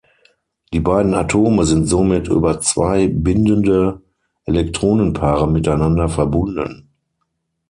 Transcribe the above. Die beiden Atome sind somit über zwei bindende Elektronenpaare miteinander verbunden.